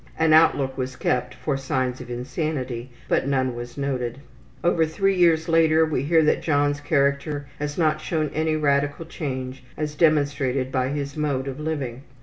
An outlook was kept for signs of insanity, but none was noted. Over three years later we hear that John's character has not shown any radical change as demonstrated by his mode of living.